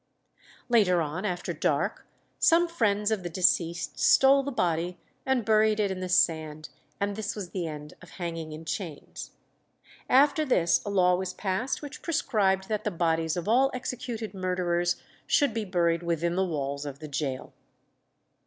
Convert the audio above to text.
Later on, after dark, some friends of the deceased stole the body and buried it in the sand, and this was the end of hanging in chains. After this a law was passed which prescribed that the bodies of all executed murderers should be buried within the walls of the gaol.